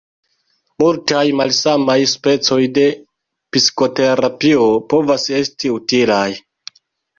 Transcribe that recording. Multaj malsamaj specoj de psikoterapio povas esti utilaj.